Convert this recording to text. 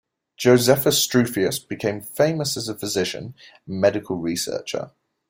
Josephus Struthius became famous as a physician and medical researcher.